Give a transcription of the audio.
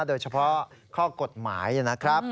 โดยเฉพาะข้อกฎหมายนะครับ